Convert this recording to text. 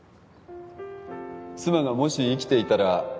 妻がもし生きていたら